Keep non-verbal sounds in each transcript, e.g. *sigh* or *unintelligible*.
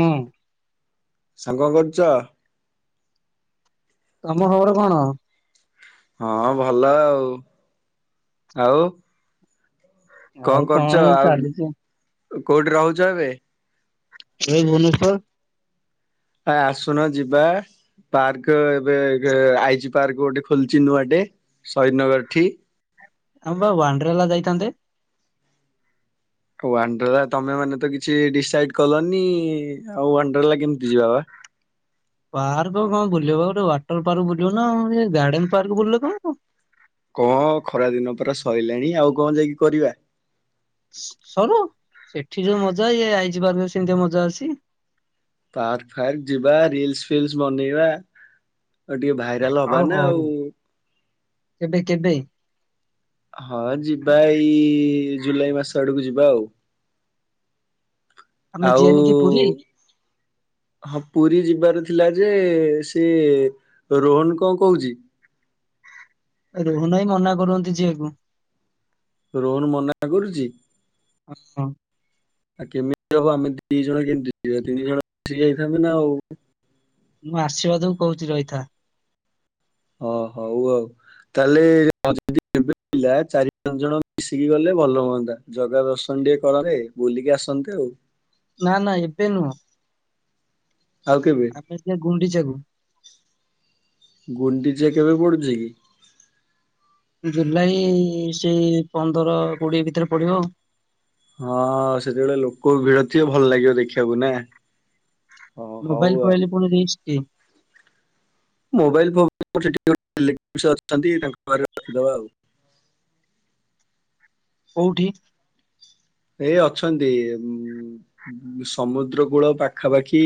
ହୁଁ। ସାଙ୍ଗ କଣ କରୁଚ? ତମ ଖବର କଣ? ହଁ ଭଲ ଆଉ। ଆଉ? ଆଉ କଣ କରୁଛ? ଏମିତି ଆଉ ଚାଲିଚି। କୋଉଠି ରହୁଚ ଏବେ? ଏଇ ଭୁବନେଶ୍ଵର। କାଇଁ ଆସୁନ ଯିବା ପାର୍କ ଏବେ ଏବେ ଆଇଜି ପାର୍କ ଗୋଟେ ଖୋଲିଛି ନୂଆଟେ ସହିଦନଗରଠି। ଆମେ ବା ୱାଣ୍ଡ୍ରେଲା ଯାଇଥାନ୍ତେ? ୱାଣ୍ଡ୍ରେଲା ତମେ ମାନେ ତ କିଛି ଡିସାଇଡ କଲନି ଆଉ ୱାଣ୍ଡ୍ରେଲା କେମିତି ଯିବା ବା? ପାର୍କ କଣ ବୁଲିବ ଗୋଟେ ୱାଟର ପାର୍କ ବୁଲିବ ନା ଆଉ ଏ ଗାର୍ଡେନ ପାର୍କ ବୁଲିଲେ କଣ ହବ। କଣ ଖରା ଦିନ ପରା ସଇଲାଣି ଆଉ କଣ ଯାଇକି କରିବା। ସ-ସରୁ ସେଠି ଯୋଉ ମଜା ଏ ଆଇଜି ପାର୍କରେ ସେମିତିଆ ମଜା ଅଛି? ପାର୍କ ଫାର୍କ ଯିବା ରିଲସ ଫିଲ୍ସ ବନେଇବା ଟିକେ ଭାଇରାଲ ହବାନା ଆଉ। କେବେ କେବେ? ହଁ ଯିବା ଏଇ ଜୁଲାଇ ମାସ ଆଡୁକୁ ଯିବା ଆଉ। ଆମେ ଆଉ ଯିବାନି କି ପୁରୀ ହଁ ପୁରୀ ଯିବାର ଥିଲା ଯେ ସେ ରୋହନ କଁ କହୁଚି? ରୋହନ ଭାଇ ମନା କରୁହନ୍ତି ଯିଆକୁ। ରୋହନ ମନା କରୁଛି? ହଁ। ଆଉ କେମିତି ହବ ଆମେ ଦି ଜଣ କେମତି ଯିବା ତିନି ଜଣ ମିଶିକି ଯାଇଥାନ୍ତେ ନା ଆଉ। ମୁଁ ଆଶୀର୍ବାଦକୁ କହୁଚି ରହିଥା। ହ ହଉ ଆଉ ତାହେଲେ ଯଦି କେବେ *unintelligible* ଚାରି ପାଞ୍ଚ ଜଣ ମିଶିକି ଗଲେ ଭଲ ହୁଅନ୍ତା। ଜଗା ଦର୍ଶନ ଟିକେ କରନ୍ତେ ବୁଲିକି ଆସନ୍ତେ ଆଉ। ନା ନା ଏବେ ନୁହଁ। ଆଉ କେବେ? ଆମେ ଯିବା ଗୁଣ୍ଡିଚାକୁ ଗୁଣ୍ଡି ଗୁଣ୍ଡିଚା କେବେ ପଡୁଚି କି? ଜୁଲାଇ ସେଇ ପନ୍ଦର କୋଡିଏ ଭିତେରେ ପଡିବ। ହଁ ସେତେବେଳେ ଲୋକ ଭିଡ ଥିବ ଭଲ ଲାଗିବ ଦେଖିଆକୁ ନା। ହଁ ହଉ ମୋବାଇଲ ଆଉ ଫୋବାଇଲି ପୁଣି ରିସ୍କ କି। ମୋବାଇଲ ଫୋବାଇଲି ସେଠି *unintelligible* ରିଲେଟିଭ୍ସ ଅଛନ୍ତି ତାଙ୍କ ଘରେ ରଖିଦବା ଆଉ। କୋଉଠି? ଏଇ ଅଛନ୍ତି ଉଁ ସମୁଦ୍ର କୂଳ ପାଖାପାଖି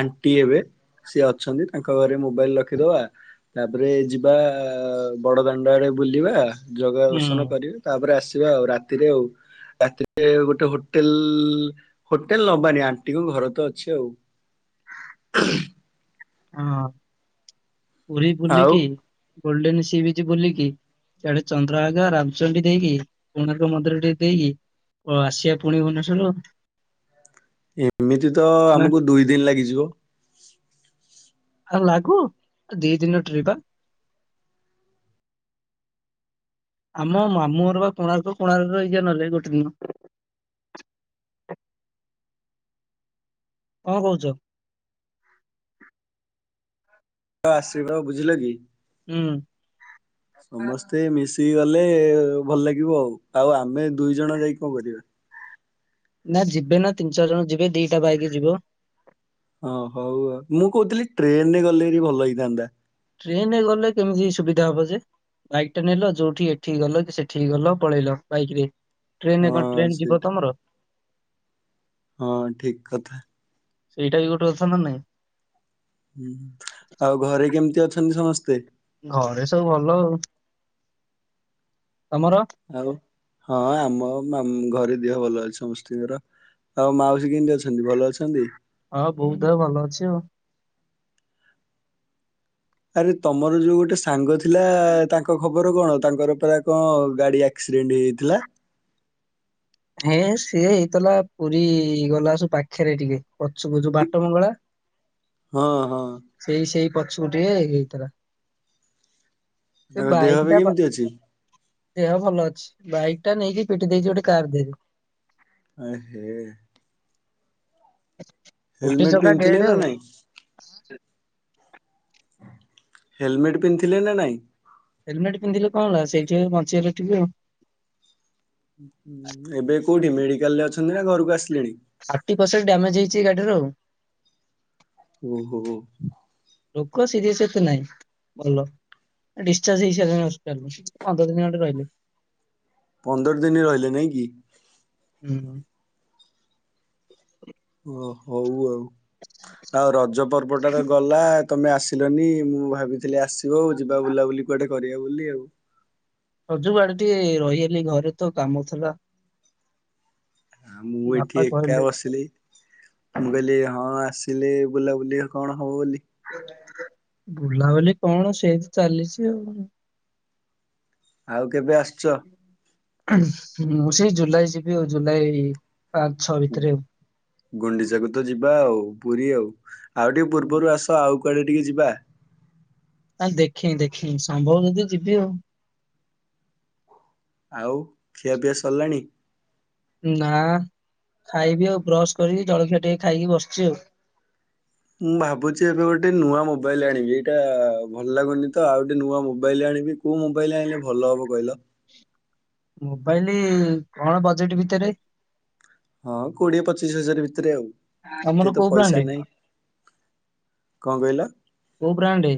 ଆଣ୍ଟି ହେବେ ସେ ଅଛନ୍ତି ତାଙ୍କ ଘରେ ମୋବାଇଲ ରଖିଦବା ତାପରେ ଯିବା ବଡ ଦାଣ୍ଡ ଆଡେ ବୁଲିବା ଜଗା ହୁଁ ଦର୍ଶନ କରିବେ ତାପରେ ଆସି ଯିବା ଆଉ ରାତିରେ ଆଉ। ରାତିରେ ଗୋଟେ ହୋଟେଲ୍ ହୋଟେଲ୍ ନବାନି ଆଣ୍ଟିଙ୍କ ଘର ତ ଅଛି ଆଉ। ହଁ। ପୁରୀ ଆଉ ବୁଲିକି ଗୋଲ୍ଡେନ ସିବିଚ୍ ବୁଲିକି ସେଆଡେ ଚନ୍ଦ୍ରଭାଗ ରାମଚଣ୍ଡୀ ଦେଇକି କୋଣାର୍କ ମନ୍ଦିର ଟେ ଦେଇକି ଆସିବା ପୁଣି ଭୁବନେଶ୍ଵର। ଏମିତି ତ ଆମକୁ ଦୁଇ ଦିନ ଲାଗିଯିବ ଆଉ ଲାଗୁ ଦି ଦିନ ଟ୍ରିପ ପା ଆମ ମାମୁଁଘର ବା କୋଣାର୍କ, କୋଣାର୍କ ରେ ରହିଯିବା ନହଲେ ଗୋଟେ ଦିନ। କଣ କହୁଛ। ଆସିବା ବୁଝିଲ କି? ହୁଁ ସମସ୍ତେ ମିଶି ଗଲେ ଭଲ ଲାଗିବ ଆଉ ଆଉ ଆମେ ଦୁଇ ଜଣ ଯାଇକି କଣ କରିବା। ନା ଯିବେ ନା ତିନି ଚାରି ଜଣ ଯିବେ ଦିଟା ବାଇକି ଯିବ। ହଁ ହଉ ଆଉ ମୁଁ କହୁଥିଲି ଟ୍ରେନରେ ଗଲେ ବି ଭଲ ହେଇଥାନ୍ତା। ଟ୍ରେନରେ ଗଲେ କେମିତି ସୁବିଧା ହବ ଯେ ବାଇକ୍ ଟା ନେଲ ଯୋଉଠି ଏଠିକି ଗଲ କି ସେଠିକ ଗଲ ପଳେଇଲ ବାଇକ୍ ରେ ଟ୍ରେନରେ କଣ ହଁ ଟ୍ରେନ୍ ଯିବ ସେଇଟା ତମର। ହଁ ଠିକ କଥା। ସେଇଟା ବି ଗୋଟେ ଓଷା ନାଇଁ? ଉମ୍ ଆଉ ଘରେ କେମିତି ଅ ଅଛନ୍ତି ସମସ୍ତେ। ଘରେ ସବୁ ଭଲ ଆଉ। ତମର। ଆଉ? ହଁ ଆମ ମାମୁଁ ଘରେ ଦେହ ଭଲ ଅଛି ସମସ୍ତଙ୍କର ଆଉ ମାଉସୀ କେମିତି ଅଛନ୍ତି ଭଲ ଅଛନ୍ତି। ହଁ ବୋଉ ଦେହ ଭଲ ଅଛି ଆଉ। ଆରେ ତମର ଯୋଉ ଗୋଟେ ସାଙ୍ଗ ଥିଲା ତାଙ୍କ ଖବର କଣ ତାଙ୍କର ପୁରା କଣ ଗାଡି ଆକ୍ସିଡେଣ୍ଟ ହେଇଯାଏ ଥିଲା। ହେଁ ସିଏ ହେଇଥିଲା ପୁରୀ ଗଲା ବର୍ଷ ପାଖରେ ଟିକେ ପଛୁକୁ ଯୋଉ ବାଟ ମଙ୍ଗଳା ହଁ ହଁ ସେଇ ସେଇ ପଚ୍ଛକୁ ଟିକେ ହେଇଥିଲା ଏ ତାଙ୍କ ଦେହ ବାଇକ୍ ଏବେ ଟା ବା କେମିତି ଅଛି। ଦେହ ଭଲ ଅଛି ବାଇକ୍ ଟା ନେଇକି ପିଟି ଦେଇଛି ଗୋଟେ କାର୍ ଦେହରେ। *inaudible* ଆହେ। ଗୋଟେ ହେଲମେଟ୍ ଚକା ପିନ୍ଧିଥିଲେ ଡେଡ୍ ନା ଆଉ ନାଇଁ। ହେଲମେଟ ପିନ୍ଧଥିଲେ ନାଇଁ। ହେଲମେଟ୍ ପିନ୍ଧିଲେ କଣ ହେଲା ସେଇଠି ବଞ୍ଚେଇଗଲେ ଟିକ ଆଉ। ଏବେ କୋଉଠି ମେଡିକାଲ ରେ ଅଛନ୍ତି ନା ଘରକୁ ଆସିଲେ। ଥାଟି ପ୍ରଶ୍ରଣ୍ଟ ଡ୍ୟମେଜହେଉଛି ଗାଡ଼ିର। ଓ ହୋ ହୋ। ଲୋକ ସିରିୟସ ଏତେ ନାଇଁ ଭଲ ଡିସଚାର୍ଜ ହେଇ ସାରିଲାଣି ହସପିଟାଲରୁ ପନ୍ଦର ଦିନ ଖଣ୍ଡେ ରହିଲେ। ପନ୍ଦର ଦିନ ରହିଲେ ନାଇଁ କି? ହୁଁ। ଓ ହଉ ଆଉ ଆଉ ରଜ ପର୍ବଟା ତ ଗଲା ତମେ ଆସିଲନି ମୁଁ ଭାବି ଆସିବ ଆଉ ଯିବା ବୁଲାବୁଲି କୁଆେ କରିବା। ବୋଲି ଆଉ। ରଜ କୁ ଆଡ଼େ ଟିକେ ରହିଗଲି ଘରେ ତ କାମ ଥିଲା। ଆ ମୁଁ ବାପା ଏଇଠି ଏକା କହିଲେ ବସିଲି ମୁଁ କହିଲି ହଁ ଆସି ଥିଲେ ବୁଲାବୁଲି କଣ ହବ ବୋଲି। ବୁଲାବୁଲି କଣ ସେମିତ ଚାଲିଛି ଆଉ। ଆଉ କେବେ ଆସ ଶ୍ଚ ମୁଁ ସେଇ ଜୁଲାଇ ଯିବି ଆଉ ଜୁଲାଇ ପାଞ୍ଚ ଛଅ ଭିତରେ ଗୁଣ୍ଡିଚାକୁ ତ ଯିବା ଆଉ। ପୁରୀ ଆଉ। ଆଉ ଟିକେ ପୂର୍ବରୁ ଆସ ଆଉ କୁଆଡେ ଟିକେ ଯିବା। ଆରେ ଦେଖେଇି ଦେଖେଇ ସମ୍ଭବ ଯଦି ଯିବି ଆଉ। ଆଉ ଖିଆପିଆ ସାରଲାଣି? ନା ଖାଇବି ଆଉ ବ୍ରଶ କରିକି ଜଳଖିଆ ଟିକେ ଖାଇକି ବସିଛି ଆଉ। ମୁଁ ଭାବୁଛି ଏବେ ଗୋଟେ ନୂଆ ମୋବାଇଲ ଆଣିବି ଏଇଟା ଭଲ ଲାଗୁନି ତ ଆଉ ଗୋଟେ ନୂଆ ମୋବାଇଲ ଆଣିବି କୋଉ ମୋବାଇଲ ଆଣିଲେ ଭଲ ହବ କହିଲ? ମୋବାଇଲ କଣ ବଜେଟ ଭିତରେ? ହଁ କୋଡିଏ ପଚିଶ ହଜାର ଭିତରେ ଆଉ। ତମର ଏତେ ତ କୋଉ ପଇସା ବ୍ରାଣ୍ଡେ ନାହିଁ କଣ କହିଲ? କୋଉ ବ୍ରାଣ୍ଡେ?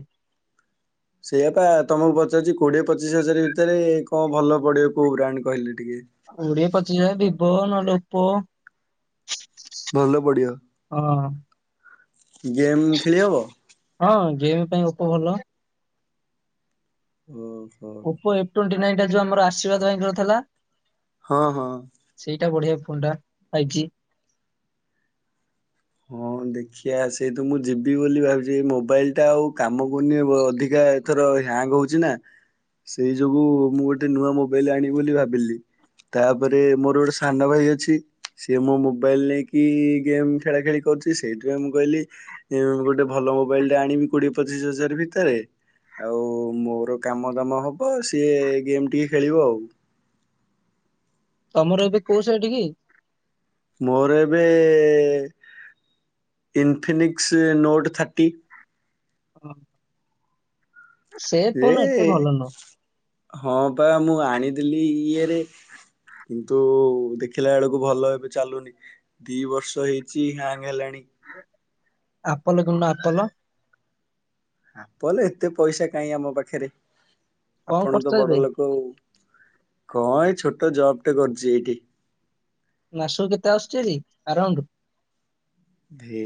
ସେଇୟାପା ତମକୁ ପଚାରୁଛି କୋଡିଏ ପଚିଶ ହଜାର ଭିତରେ କଣ ଭଲ ପଡିବ କୋଉ ବ୍ରାଣ୍ଡେ କହିଲ? କୋଡ଼ିଏ ପଚିସି ଦି *unintelligible* ଭଲ ପଡିବ ଗେମ୍ ଖେଳି ହବ? ହଁ ଗେମ୍ ପାଇଁ ଅପୋ ଭଲ। ହଁ। ଓପୋ ଏଫ ଟ୍ୱଣ୍ଟି ନାଇନ୍ ଏଇଟା ଯୋଉ ଆମର ଆଶୀର୍ବାଦ ଭାଇଙ୍କର ଥିଲା। ହଁ ହଁ। ଫୋନ୍ ଟା ଫାଇପ୍ ଜି। ହଁ ଦେଖିିବା ସେଇ ତ ମୁଁ ଯିବି ବୋଲି ଭାବଛି ଏ ମୋବାଇଲ ଟା ଆଉ କାମ କରୁନି ଅଧିକା ଏଥର ହ୍ୟାଙ୍ଗ ହଉଛି ନା ସେଇ ଯୋଗୁ ମୁଁ ଗୋଟେ ନୂଆ ମୋବାଇଲ ଆଣିବି ବୋଲି ଭାବିଲି ତାପରେ ମୋର ଗୋଟେ ସାନ ଭାଇ ଅଛି ସିଏ ମୋ ମୋବାଇଲ ନେଇକି ଗେମ୍ ଖେଳା ଖେଳି କରୁଛି ସେଇଥିପାଇଁ ମୁଁ କହିଲି ଗୋଟେ ଭଲ ମୋବାଇଲ ଟା ଆଣିବି କୋଡିଏ ପଚିଶି ହଜାର ଭିତରେ ଆଉ ମୋର କାମ ଦାମ ହବ ସିଏ ଗେମ୍ ଟିକେ ଖେଳିବ ଆଉ। ତମର ଏବେ କୋଉ ସେଟ କି? ମୋର ଏବେ ଇନଫିନିକ୍ସ ନୋଟ୍ ଥାର୍ଟି ହଁ। ସେ ଯେ ଫୋନ୍ ଏତେ ଭଲ ନୁହଁ। ହଁ ପା ମୁଁ ଆଣିଥିଲି ଇଏରେ କିନ୍ତୁ ଦେଖିଲା ବେଳକୁ ଭଲ ଏବେ ଚାଲୁନି ଦି ବର୍ଷ ହେଇଛି ହ୍ୟାଙ୍ଗ ହେଲାଣି। *inaudible* Apple କିଣୁନା Apple. ଆପଲ ଏତେ ପଇସା କାହିଁ ଆମ ପାଖରେ। କଣ ଆପଣ କରୁଛ ତ ବଡ ଏବେ? ଲୋକ ଆଉ କଣ ଏ ଛୋଟ ତ ଜବଟେ କରିଛି ଏଇଠି। ନାସକୁ କେତେ ଆସୁଚ ଆରାଉଣ୍ଡ। ହେ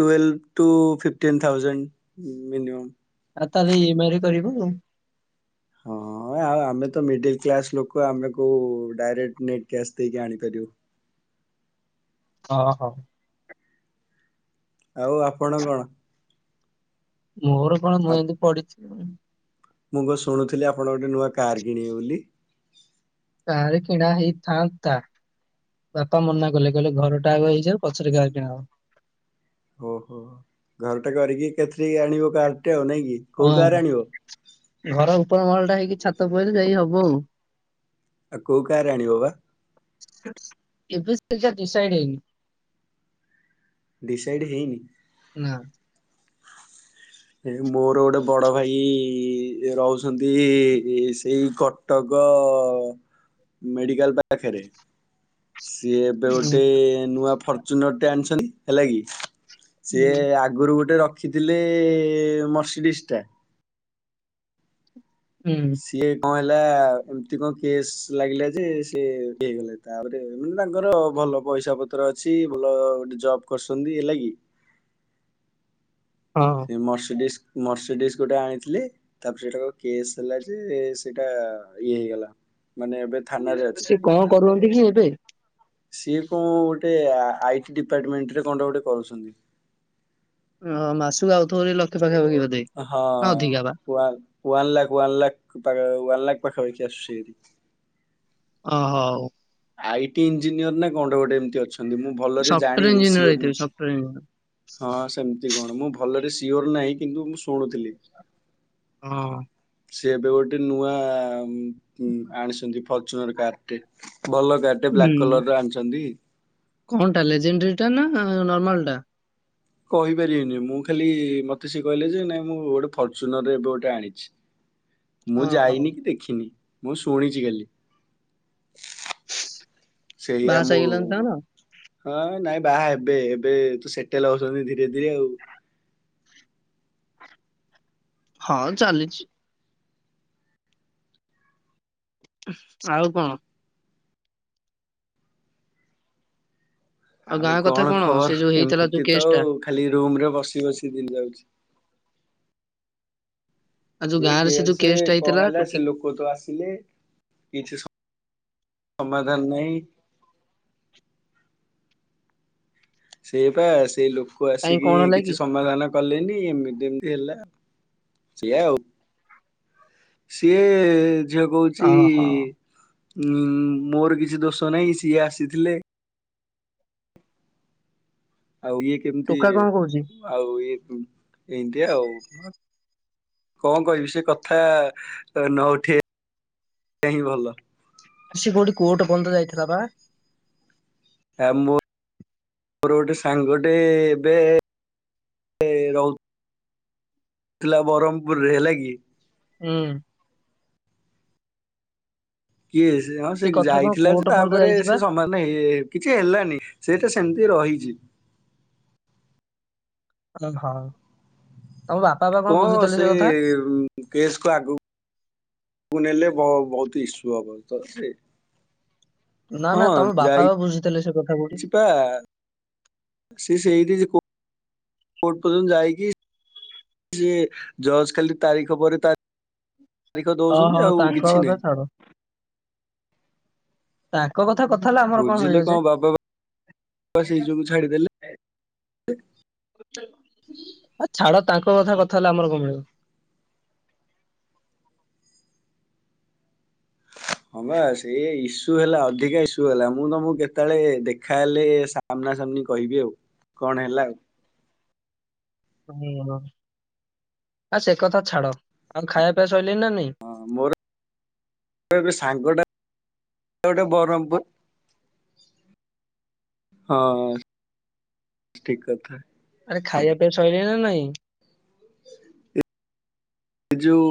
twelve to fifteen thousand minimum. ଆଉ ତାହେଲେ ଇ ଏମ ଆଇ ରେ କରିବୁ ଆଉ। ହଁ ଆଉ ଆମେ ତ ମିଡିଲ କ୍ଲାସ ଲୋକ ଆମେ କୋଉ ଡାଇରେକ୍ଟ ନେଟ କ୍ୟାସ୍ ଦେଇକି ଆଣିପାରିବୁ। ହଁ ହୋ। ଆଉ ଆପଣ କଣ ମୋର କଣ ମୁଁ ଆ ଏମିତି ପଢିଛି। ମୁଁ କ ଶୁଣୁଥିଲି ଆପଣ ଗୋଟେ ନୂଆ କାର କିଣିବେ ବୋଲି। କାରେ କିଣା ହେଇଥାନ୍ତା ବାପା ମନା କଲେ କହିଲେ ଘରଟା ଆଗ ହେଇଯାାଉ ପଛରେ କାହାର କିଣା ହବ। ଓହୋ ଘରଟା କରିକି କେତ ଆଣିବୁ କାରଟି। ହଁ ଘର ଉପରେ। *unintelligible* *unintelligible* ହେଇକି ଛାତ ପଇଲେ ଯାଇ ହବ ଆଉ। ଆଉ କୋଉ କାର ଆଣିବ ବା। *unintelligible* ଡିସାଇଡ ହେଇନି। ଡିସାଇଡ ନା ହେଇନି। ମୋର ଗୋଟେ ବଡ ଭାଇ ରହୁଛନ୍ତି ସେଇ କଟକ ମେଡିକାଲ ପାଇଁ। ପାଖରେ। ସିଏ ଏବେ ଗୋଟେ ହୁଁ ନୂଆ ଫର୍ଚୁନର୍ ଟେ ଆଣିଛନ୍ତି ହେଲା କି। ସିଏ ହୁଁ ଆଗରୁ ଗୋଟେ ରଖ ରଖିଥିଲେ ମର୍ସିଡିସ୍ ଟା। ହୁଁ ସିଏ କ ହେଲା ଏମିତି କଣ କେସ୍ ଲାଗିଲା ଯେ ସେ ହେଇଗଲେ ତାପରେ ମାନେ ତାଙ୍କର ଭଲ ପଇସା ପତ୍ର ଅଛି ଭଲ ଜବ କରୁଛନ୍ତି ହେଲାଗି। ହଁ ସେ ମର୍ସିଡିସ୍। ମର୍ସିଡିସ୍ ଗୋଟେ ଆଣିଥିଲି ତାପରେ ସେଟା କେସ୍ ହେଲା ଯେ ସେଇଟା ଇଏ ହେଇଗଲା। ମାନେ ଏବେ ଥାନାରେ ଅଛି। ସେ କଣ କରୁନ୍ତି କି ଏବେ। ସିଏ କଣ ଗୋଟେ ଆଇ ଟି ଡିପାର୍ଟମେଣ୍ଟ ରେ କଣଟେ ଗୋଟେ କରୁଛନ୍ତି। ଓ ମାସକୁ ଆଉଥିବଟି ଲଖେ *unintelligible* ବୋଧେ ହଁ ଅଧିକା ବା। ୱାନ୍ ଲାଖ ୱାନ୍ ଲାଖ ପାଖ ୱାନ୍ ଲାଖ ପାଖା ପାଖି ଆସୁଛି। ଓ ହୋଉ। ଆଇ ଟି ଇଞ୍ଜିନିୟର ନା କଣ ଟେ ଗୋଟେ ଏମତି ଅଛି। ଦେଖନ୍ତୁ ମୁଁ ଭଲରେ ସଫ୍ଟୱେର ଜାଣିନି ଇଞ୍ଜିନିୟର ସିୟୋର୍ ହେଇଥିବେ ନୁହଁ ସଫ୍ଟୱେର ଇଞ୍ଜିନିୟର ହଁ ସେମତି କଣ ମୁଁ ଭଲରେ ସି ସିୟୋର ନାହିଁ କିନ୍ତୁ ମୁଁ ଶୁ ହଁ। ସିଏ ଏବେ ଗୋଟେ ନୂଆ ଆଣିଛନ୍ତି ଫର୍ଚୁନର କାର ଟେ। ଭଲ କାର୍ ଟେ ବ୍ଲାକ୍ ହୁଁ। କଲର ଆଣିଛନ୍ତି। କଣଟା ଲେଜେଣ୍ଡାରୀ ଟା ନା ନର୍ମାଲ ଟା? କହିପାରିବିନି ମୁଁ ଖାଲି ମତେ ସିଏ କହିଲେ ଯେ ନାଇଁ ମୁଁ ଗୋଟେ ଫର୍ଚୁନରରେ ଏବେ ଗୋଟେ ଆଣିଛି। ଅଁ, ମୁଁ ହଉ ଯାଇନି କି ଦେଖିନି। ମୁଁ ଶୁଣିଛି ଖାଲି। ସେଇଆ ବାହାସାହା ମୁଁ ହେଇଗଲାଣି ତାଙ୍କର? ହଁ ନାଇଁ ବାହା ଏବେ ଏବେ ସେଟଲ ହଉଛନ୍ତି ଧୀରେ ଧୀରେ ଆଉ ହଁ ଚାଲିଛି। ଆଉ କଣ? ଆଉ ଗାଁ କଥା କଣ ସେ ଖବର ଯୋଉ ହେଇଥିଲା ଯୋଉ ଏମିତି ତ କେସ୍ ଟା ଆଉ ଖାଲି ରୁମରେ ବସି ବସିକି ଦିନ ଯାଉଛି। ଆଉ ଯୋଉ ସେଇ ଗାଁରେ ସେ ଯୋଉ କେସେ କେସ୍ ଟା କଣ ହେଇଥିଲା ହେଲା ଟୁକି ସେ ଲୋକ ତ ଆସିଲେ କିଛି ସ ସମାଧାନ ନାଇଁ ସେଇ ବା ସେଇ ଲୋକ କୁ କାଇଁ ଆସିକି କଣ ହେଲା କି? କିଛି ସମାଧାନ କଲେନି ଏମିତି ଏମତି ହେଲା ସେଆ ଆଉ ସିଏ ଝିଅ କହୁଛି ଅହୋ, ଉଁ ମୋର କିଛି ଦୋଷ ନାହିଁ ସିଏ ଆସିଥିଲେ। ଆଉ ଇଏ କେମିତି ଟୋକା କଣ କହୁଛି? ଆଉ ଇଏ ଏନତିଆ ଆଉ କଣ କହିବି ସେ କଥା ଅ ନ ଉଠେଇ ହିଁ ଭଲ। ସେ କୋଉଠି କୋଟ ବନ୍ଦ ଯାଇଥିଲା ବା। ଆ ମୁଁ ମୋର ଗୋଟେ ସାଙ୍ଗଟେ ଏବେ ରହୁ ଥିଲା ବ୍ରହ୍ମପୁରରେ ହେଲା କି ହୁଁ। କିଏ ସେ ହଁ ସେ କଥା କଣ ଯାଇଥିଲା କୋର୍ଟ ତ ପର୍ଯ୍ୟନ୍ତ ତାପରେ ଯାଇଛି ବା। ସେ ସମାନ ହେଇ କିଛି ହେଲାନି ସେଟା ସେମିତି ରହିଛି। ହ ହଁ। କଣ ସେ କେସ୍ କୁ ଆଗକୁ କୁଣେଇିଲେ ବହୁ ବହୁତ ଇସୁ ହବ ତ ସେ ନା ହଁ ନା ତମ ବାପା ବା ବୁଝୁଥିଲେ ସେ କଥା କୋଉଠି। ଯାଇଛି ପା ସେ ସେଇଠି କୋ କୋର୍ଟ ପର୍ଯ୍ୟନ୍ତ ଯାଇକି ସିଏ ଜଷ୍ଟ ଖାଲି ତାରିଖ ପରେ ତା ଓହୋ ତାଙ୍କ କଥା ଛାଡ। ତା। ବୁଝିଲେ କଣ ବାବା ସେଇ ଯୋଗୁ ଛାଡିଦେଲେ ହୁଁ ଆଉ ଛାଡ ତାଙ୍କ କଥା କଥା ହେଲେ ଆମର କଣ ମିଳିବ ହଁ ବା ସେ ଇସୁ ହେଲା ଅଧିକା ଇସୁ ହେଲା ମୁଁ ତମକୁ କେତେବେଳେ ଦେଖା ହେଲେ ସାମ୍ନା ସାମ୍ନି କହିବି ଆଉ କଣ ହେଲା ଆଉ ହ ଆ ସେ କଥା ଛାଡ ଆମ ଖାଇବା ପିଆବା ହଁ ମୋର ଏ ସାଙ୍ଗଟା ଏଟା ଗୋଟେ ବରମପୁର ହଁ ଠିକ କଥା। ଆରେ ଖାଇବା ପିଇଆ ଶଇଲାଣି ନା ନାଇଁ? ହୁଁ। ଏ-ଏ ଯୋଉ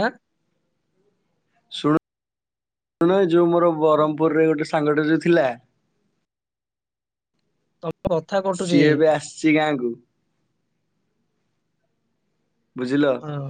ଆଁ ଶୁ-ଣ ଏଇ ଯୋଉ ମୋର ବରହମପୁରରେ ଗୋଟେ ସାଙ୍ଗଟେ ଯୋଉ ଥିଲା ତମ କଥା କଟୁଛି ସିଏ ଏବେ ଆସଚି ଗାଁକୁ ବୁଝିଲ। ହଁ।